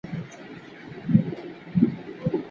د زلزلې پرمهال ناروغان څنګه ایستل کیږي؟